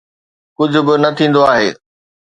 ڪجهه به نه ٿيندو آهي.